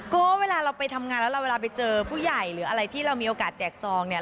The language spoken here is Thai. ก็เวลาเราไปทำงานแล้วเราเวลาไปเจอผู้ใหญ่หรืออะไรที่เรามีโอกาสแจกซองเนี่ย